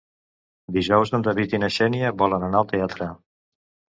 Dijous en David i na Xènia volen anar al teatre.